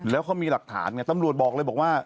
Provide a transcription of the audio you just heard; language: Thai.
แล้วเขามีหลักฐานไงตำรวจบอกเลยบอกว่า